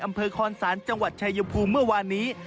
อำเภอคอนศาลจังหวัดชายภูมิเมื่อวานนี้